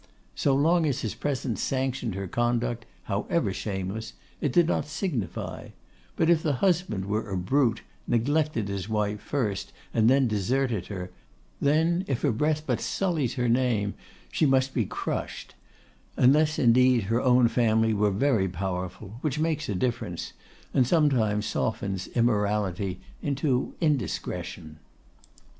So long as his presence sanctioned her conduct, however shameless, it did not signify; but if the husband were a brute, neglected his wife first, and then deserted her; then, if a breath but sullies her name she must be crushed; unless, indeed, her own family were very powerful, which makes a difference, and sometimes softens immorality into indiscretion.